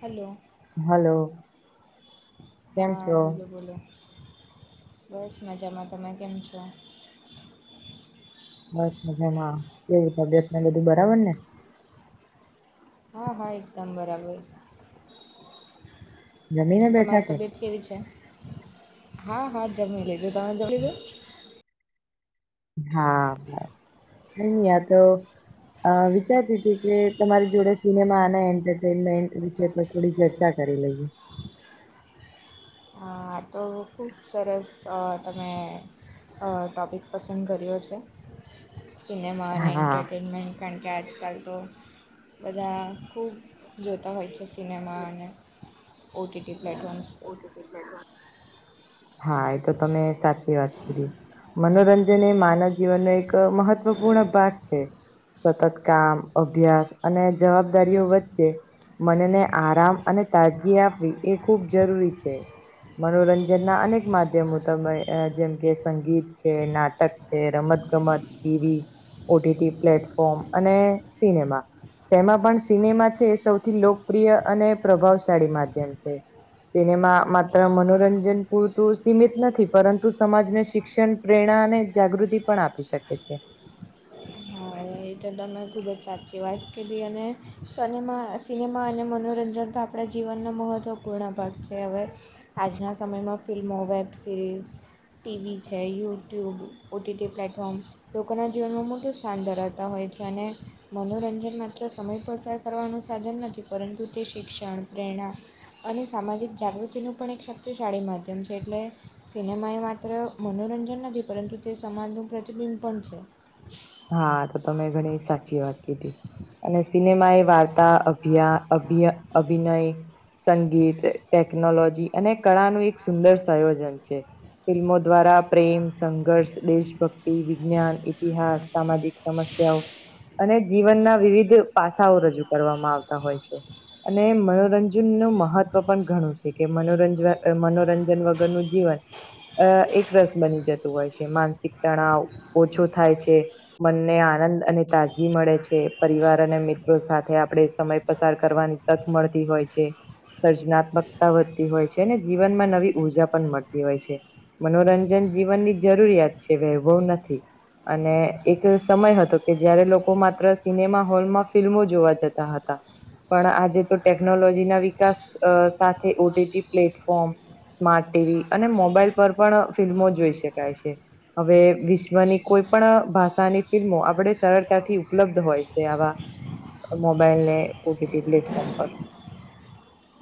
Hello. Hello. કેમ હા છો? બોલો-બોલો. બસ મજામાં. તમે કેમ છો? બસ મજામાં. કેવી તબિયતને એ બધું બરાબર ને? હા, હા એકદમ બરાબર. જમીને બેઠા તમારી કે તબિયત કેવી છે? હા, હા જમી લીધું. તમે જમી લીધું? હા. [unintelligible] અહ વિસારતી તી, કે તમારી જોડે સિનેમા અને એન્ટરટેનમેન્ટ વિશે [unintelligible] થોડી ચર્ચા કરી લઈએ. આ તો ખૂબ સરસ અહ તમે અહ ટોપિક પસંદ કર્યો છે. સિનેમા અને હા એન્ટરટેનમેન્ટ. કારણ કે આજકાલ તો બધા ખૂબ જોતા હોય છે સિનેમા અને ઓ ટી ટી પ્લેટફોર્મ્સ. પર હા. એ તો તમે સાચી વાત કરી. મનોરંજન એ માનવ જીવનનો એક મહત્વપૂર્ણ ભાગ છે. સતત કામ, અભ્યાસ અને જવાબદારીઓ વચ્ચે મન ને આરામ અને તાજગી આપવી એ ખૂબ જરૂરી છે. મનોરંજન ના અનેક માધ્યમો તમે જેમ, કે સંગીત છે, નાટક છ એ રમત-ગમત, T V, O T T platform અને સિનેમા તેમાં પણ સિનેમા છે, એ સૌથી લોકપ્રિય અને પ્રભાવશાળી માધ્યમ છે. સિનેમા માત્ર મનોરંજન પૂરતું સીમિત નથી, પરંતુ સમાજને શિક ક્ષણ, પ્રેરણા અને જાગૃતિ પણ આપી શકે છે. હા એ રીતે તમે ખૂબ જ સાચી વાત કીધી. અને સનેમા સિનેમા અને મનોરંજન તો આપ પણા જીવનનો મહત્ત્વપૂર્ણ ભાગ છે હવે. આજના સમયમાં ફિલ્મો, વેબ સિરીઝ ટીવી છે, યુટ્યુબ, ઓટીટી પ્લેટફોર્મ, લોકોના જીવનમાં મોટું સ્થાન ધરાવ તા હોય છે, અને મનોરંજન માત્ર સમય પસાર કરવાનું સાધન નથી, પરંતુ તે શિક્ષણ પ્રેરણા અને સામાજિક જાગૃતિનું પણ એક શક્તિશાળી માધ્યમ છે એટલે સિનેમાએ માં ત્ર મનોરંજન નથી, પરંતુ તે સમાજનું પ્રતિબિંબ પણ છે. હા તો તમે ઘણી સાચી વાત કીધી. અને સિનેમા એ વાર્તા, અભિયા, અભિય, અભિનય સંગીત, ટેકનોલોજી અને કળા નો એક સુંદર સંયોજન છે. ફિલ્મો દ્વારા પ્રેમ, સંઘર્ષ, દેશભક્તિ, વિજ્ઞાન, ઇતિહાસ. સામાજિક સમસ્યાઓ, અને જીવનના વિવિધ પાસાઓ રજૂ કરવામાં આવતા હોય છે. અને મનોરંજન નુ મહત્વ પણ ઘણું છે, કે મનોરંજ મનોરંજન વગરનું જીવન અ એક રસ બની જતું હોય છે, માનસિક તણાવ ઓછો થાય છે. મનને આનંદ અને તાજગી મળે છે, પરિવાર અને મિત્રો સાથે આપડે સમય પસાર કરવાની તક મડતી હોય છે. સર્જનાત્મકતા વધતી હોય છે, ને જીવનમાં નવી ઉર્જા પણ મળતી હોય છે. મનોરંજન જીવનની જરૂરિયાત છે, વૈભવ નથી, અને એક સમય હતો, કે જયારે લોકો માત્ર સિનેમા હોલમાં ફિલ્મો જોવા જતા હતા. પણ આજે તો ટેકનોલોજી ના વિકાસ અ સાથે ઓટીટી પ્લેટફોર્મ સ્માર્ટ ટીવી અને મોબાઈલ પર પણ ફિલ્મો જોઈ શકાય છે. હવે વિશ્વની કોઈ પણ ભા સા ની ફિલ્મો આપડે સરળતાથી ઉપલબ્ધ હોય છે, આવા મોબાઈલ ને ઓટીટી પ્લેટફોર્મ પર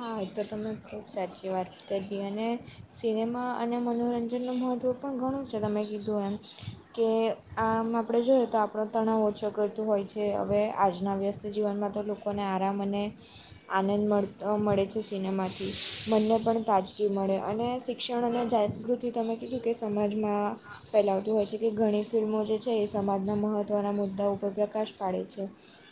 હા એતો તમે ખૂબ સાચી વાત કરી અને સિનેમા અને મનોરંજનનું મહત્ત્વ પણ ઘણું છે તમે કીધું એમ કે આમ આપણે જોઈએ તો આપણો તણાવ ઓછો કરતું હોય છે, હવે આજના વ્યસ્ત જીવનમાં તો લોકોને આરામ અને આનંદ મળ મળે સિનેમાથી મનને પણ તાજગી મળે, અને શિક્ષણ અને જાગૃત જે તમે કીધું કે સમાજમાં ફેલાવતુ હોય છે, કે ઘણી ફિલ્મો જે છે એ સમાજના મહત્વના મુદ્દા ઉપર પ્રકાશ પાડે છે.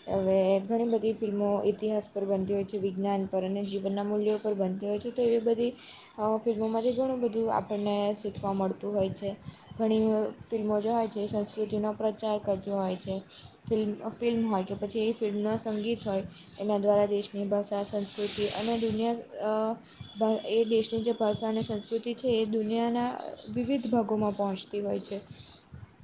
હવે ઘણી બધી ફિલ્મો ઇતિહાસ પર બનતી હોય છે, વિજ્ઞાન પર, અને જી વનના મૂલ્યો પર બનતી હોય છે, તો એ બધી આવા ફિલ્મોમાંથી ઘણું બધું આપણને શીખવા મળતું હોય છે. ઘણી ફિલ્મો જે હોય છે, એ સંસ્કૃતિનો પ્રચાર કરતી હોય છે. ફિલ્મ હોય કે પછી એ ફિલ્મનો સંગીત હોય એના દ્વારા દેશની ભાષા સાંસ્કૃતિ અને દુનિયા અ ભા એ દેશની જે ભાષા અને સંસ્કૃતિ છે, એ દુનિયાના વિવિધ ભાગોમાં પહોંચતી હોય છે [inaudible]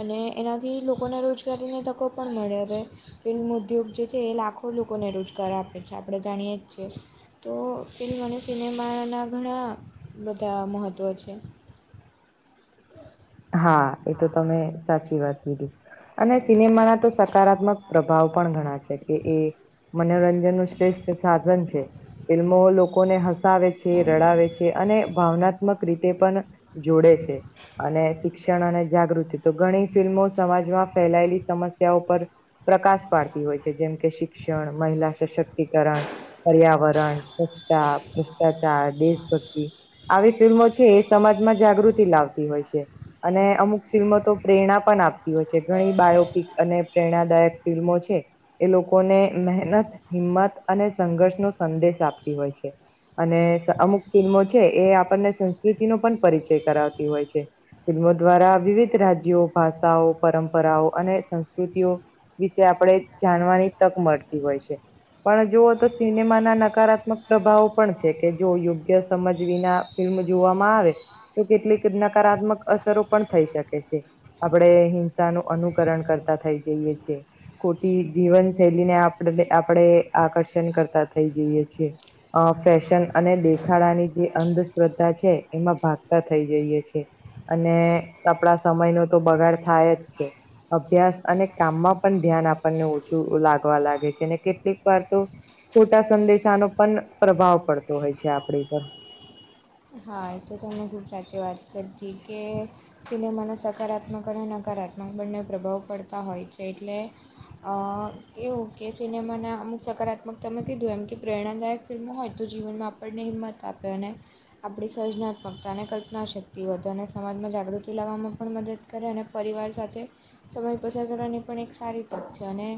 અને એનાથી લોકોને રોજગારીની તકો પણ મળે, અવે ફિલ્મ ઉદ્યોગ જે છે એ લાખો લોકોને રોજગાર આપે છે, આપડે જાણીએ જ છીએ. તો ફિલ્મ અને સિનેમા ના ઘણા બધા મહત્ત્વ છે. હા, એ તો તમે સાચી વાત કીધી. અને સિનેમાના તો સકારાત્મક પ્રભાવ પણ ઘણા છે, કે એ મનોરંજન નું શ્રેષ્ઠ સાધન છે. ફિલ્મો લોકોને હસાવે છે, રડાવે છે, અને ભાવનાત્મક રીતે પણ જોડે છે. અને શિક્ષણ અને જાગૃતિ તો ઘણી ફિલ્મો સમાજમાં ફેલાયેલી સમસ્યાઓ પર. પ્રકાશ પાડતી હોય છે, જેમ કે શિક્ષણ, મહિલા સશક્તિકરણ, પર્યાવરણ, સ્વચ્છતા, ભ્રષ્ટાચાર, દેશભક્તિ આવી ફિલ્મો છે એ, સમાજમાં જાગૃતિ લાવતી હોય છે. અને અમુક ફિલ્મો તો પ્રેરણા પણ આપતી હોય છે. ઘણી બાયોપિક અને પ્રેરણાદાયક ફિલ્મો છે. એ લોકોને મહેનત, હિંમત અને સંઘર્ષ નો સંદેશ આપતી હોય છે. અને અમુક ફિલ્મો છે એ, આપણને સંસ્કૃતિનો પણ પરિચય કરાવતી હોય છે. ફિલ્મો દ્વારા વિવિધ રાજ્યો, ભાષાઓ, પરંપરાઓ અને સંસ્કૃતિઓ વિશે આપડે જાણવાની તક મળતી હોય છે. પણ જૂઓ તો સિનેમાના નકારાત્મક પ્રભાવો પણ છે કે જો યોગ્ય સમજ વિના ફિલ્મ જોવામાં આવે તો, કેટલીક નકારાત્મક અસરો પણ થઈ શકે છે. આપણેે હિંસાનું અનુકરણ કરતા થઈ જઈએ છીએ. ખોટી જીવનશૈલી ને આપ તે આપણેે આકર્ષણ કરતા થઈ જઈએ છીએ. અ ફેશન અને દેખાડાની જે અંધશ્રદ્ધા છે. એમાં ભાગતા થઈ જઈએ છે અને તપડા સમય નો તો બગાડ થાય જ છે અભ્યાસ અને કામમાં પણ ધ્યાન આપણને ઓછું લાગવા લાગે છે. અને કેટલીક વાર તો, ખોટા સંદેશાનો પણ પ્રભાવ પડતો હોય આપડી પર હા એ તો તમે ખૂબ સાચી વાત કીધી કે સિનેમાનો સકારાત્મક અને નકારાત્મક બંને પ્રભાવ પડતા હોય છે. એટલે અ એવું કે સિનેમાના અમુક સકારાત્મક તમે કીધું એમ કે પ્રેરણાદાયક ફિલ્મો હોય તો, જીવનમાં આપણને હિંમત આપે અને આપણી સર્જનાત્મકતા અને કલ્પનાશક્તિ વધે અને સમાજમાં જાગૃતિ લાવવામાં પણ મદદ કરે અને પરિવાર સાથે સમય પસાર કરવાની પણ એક સારી તક છે અને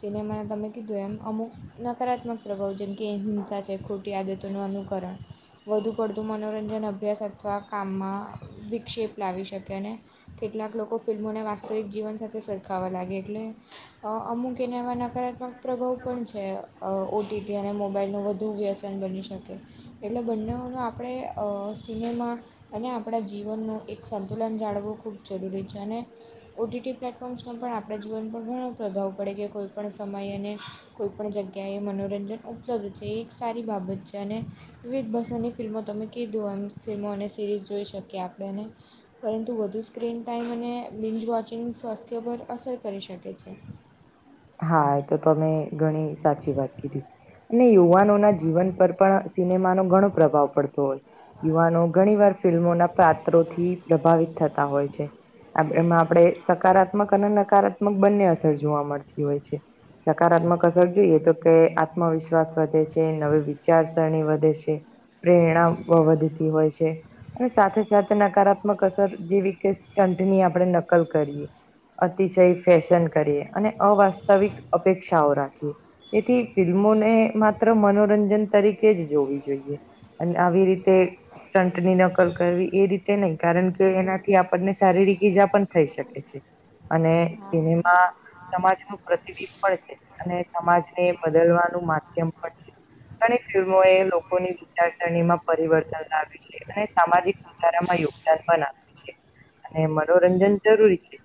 સિનેમાના તમે કીધું એમ અમુક નકારાત્મક પ્રભાવ જેમ કે હિંસા છે. ખોટી ટી આદતોનું અનુકરણ વધુ વધતુંપડતુ મનોરંજન અભ્યાસ અથવા કામમાં વિક્ષેપ લાવી શકે અને કેટલાક લોકો ફિલ્મોને વાસ્તવિક જીવન સાથે સરખાવવા લાગે, એટલે અમુક એને વાના કારાત્મક પ્રભાવ પણ છે. ઓટીટી અને મોબાઈલનું વધુ વ્યસન બની શકે. એટલે બંનેને આપ આપડે સિનેમા અને આ આપણા જીવનનું એક સંતુલન જાળવું ખૂબ જરૂરી છે. અને ઓટીટી પ્લેટફોર્મ્સનો પણ આપણા જીવન પર ઘણો પ્રભાવ પડે કે કોઈ પણ સમય અને કોઈ પણ જગ્યાએ મનોરંજન ઉપલબ્ધ છે. એ સારી બાબત છે અને વિવિધ ભાષા ની ફિલ્મો તમે કીધું એમ ફિલ્મો અને સિરીઝ જોઈ શકીએ આપણ ને પરંતુ વધુ સ્ક્રીન ટાઈમ અને વોચિંગ સ્વાસ્થ્ય પર અસર કરી શકે. હા એ તમે ઘણી સાચી વાત કીધી અને યુવાનો ના જીવન પર પણ, સિનેમા નો ઘણો પ્રભાવ પડતો હોય, યુવાનો ઘણી વાર ફિલ્મોના, પાત્રોથી પ્રભાવિત થતા હોય છે. આમ એમાં આપણે સકારાત્મક અને નકારાત્મક બંને અસર જોવા મળતી હોય છે. સકારાત્મક અસર જોઈએ તો, કે આત્મવિશ્વાસ વધે છે. નવી વિચારસરણી વધે છે., પ્રેરણા વધીતી હોય છે, અને સાથે સાથે નકારાત્મક અસર જેવી કે સ્ટંન્ટ ની આપણે નકલ કરીએ, અતિશય ફેશન કરીએ અને અવાસ્તવિક અપેક્ષાઓ રાખીએ. તેથી ફિલ્મોને માત્ર મનોરંજન તરીકે જ જોવી જોઈએ. અને આવી રીતે સ્ટંન્ટ ની નકલ કરવી એ રીતે નહી કારણ કે એનાથી આપણને શારીરિક ઈજા પણ થઈ શકે છે. અને હા સિનેમા સમાજ નું પ્રતિબિંબ પણ છે અને સમાજ ને બદલવાનું માધ્યમ પણ છે. અનેક ફિલ્મો એ લોકોની વિચારસરણીમાં પરિવર્તન લાવ્યું અને સામાજિક સુધારામાં યોગદાન પણ આપે છે. અને મનોરંજન જરૂરી છે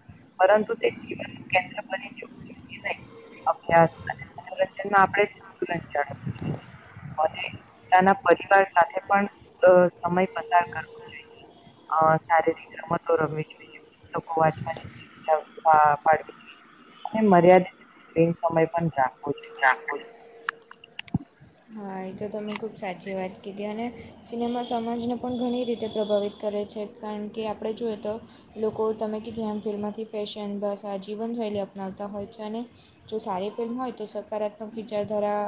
પરંતુ તે જીવનનુ કેન્દ્ર [unintelligible] અભ્યાસ અને મનોરંજનમાં સંતુલન જાળવવું જોઈએ. અને પોતાના પરિવાર સાથે પણ સમય પસાર કરવો જોઈએ. અ શારીરિક રમતો રમવી જોઈએ [unintelligible] [unintelligible] અને મર્યાદિત સ્ક્રીન સમય પણ રાખવો જોઇએ. [unintelligible] હા એ તો તમે ખૂબ સાચી વાત કીધી અને સિનેમા સમાજને પણ ઘણી રીતે પ્રભાવિત કરે છે. કારણ કે આપણે જોઈએ તો લોકો તમે કીધું આમ ફિલ્માંથી ફેશન બસ આ જીવનશૈલી અપનાવતા હોય છે અને જો સારી ફિલ્મ હોય તો સકારાત્મક વિચારધારા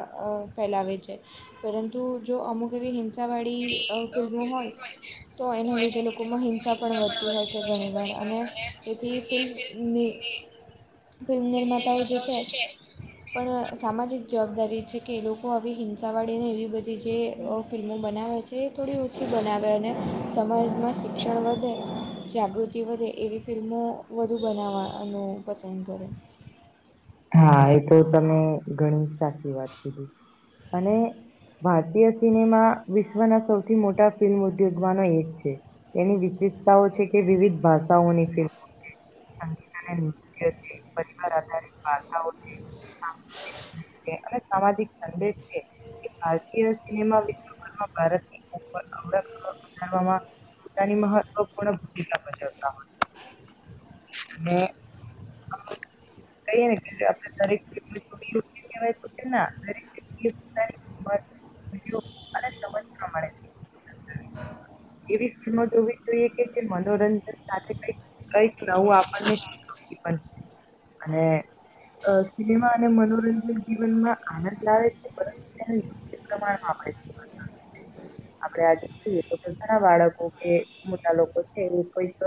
ફેલાવે છે. પરંતુ જો અમુક એવી હિંસા વાળી ફિલ્મો હોય તો એના લીધે લોકોમાં હિંસા પણ વધતી હોય છે ઘણીવાર અને તેથી ફિલ્મ નિર્માતાઓ જે છે પણ સામાજિક જવાબદારી છે કે એ લોકો આવી હિંસાવાળીને એવી બધી જે ફિલ્મો બનાવે છે એ થોડી ઓછી બનાવે અને સમાજમાં શિક્ષણ વધે જાગૃતિ જાગૃતિ વધે એવી ફિલ્મો વધુ બનાવવાનું પસંદ કરે હા એ તો તમે ઘણી સાચી વાત કીધી અને ભારતીય સિનેમા વિશ્વના સૌથી મોટા ફિલ્મ ઉદ્યોગમાંનો એક છે. એની વિશિષતાઓ છે કે વિવિધ ભાષાઓની ફિલ્મ સંગીત અને નૃત્ય છે પરિવાર આધારિત વાર્તાઓ છે અને સામાજિક સંદેશ છે ભારતીય સિનેમા [unintelligible] [unintelligible] [unintelligible] અને કઈ ને કે આપડે [unintelligible] [unintelligible] ફિલ્મો જોવી જોઈએ કે જે મનોરંજન સાથે કઈક કઈક નવું આપણને શીખવતી પણ [inaudible] અ સિનેમા અને મનોરંજન જીવનમાં આનંદ લાવે છે પરંતુ [unintelligible] આપડે આજે જોઈએ તો ઘણા બાળકો કે મોટા લોકો છે એ કઈક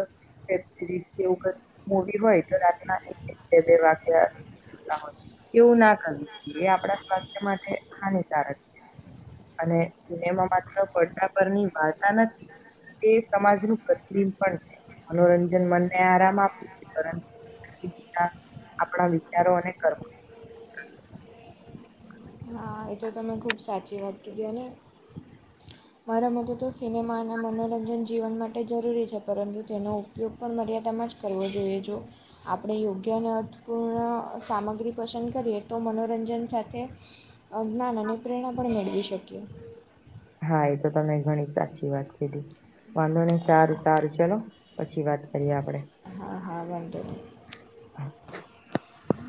વેબ સિરીઝ કે એવું કઈ મોટી હોય તો રાતના એક એક બે બે વાગ્યા તા હોય એવું ના કરવી જોઈએ એ આપણા સ્વાસ્થ્ય માટે હાનિકારક છે. અને સિનેમા માત્ર પડદા પરની વાર્તા નથી તે સમાજનું [unintelligible] મનોરંજન મને આરામ આપે છે પરંતુ આપડા વિચારો અને કર્મ હા, એ તો તમે ખૂબ સાચી વાત કીધી અને મારા મતે તો સિનેમા ને મનોરંજન જીવન માટે જરૂરી છે પરંતુ તેનો ઉપ ઉપયોગ પણ મર્યાદામાં જ કરવો જોઈએ જો. આપણે યોગ્ય અને અર્થપૂર્ણ સામગ્રી પસંદ કરીએ તો મનોરંજન સાથે [unintelligible] અને પ્રેરણા પણ મેળવી શકીએ. હા એ તો તમે ઘણી સાચી વાત કીધી. વાંધો નહી સારું સારું ચલો પછી વાત કરીએ આપડે. હા હા વાંધો નઈ. [inaudible]